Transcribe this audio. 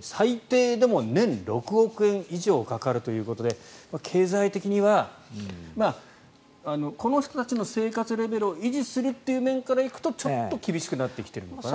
最低でも年６億円以上かかるということで経済的にはこの人たちの生活レベルを維持するという面から行くとちょっと厳しくなってきてるのかなと。